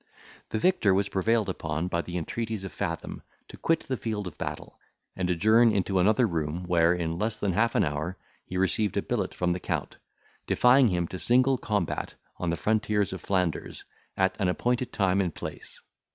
The victor was prevailed upon, by the entreaties of Fathom, to quit the field of battle, and adjourn into another room, where, in less than half an hour, he received a billet from the count, defying him to single combat on the frontiers of Flanders, at an appointed time and place.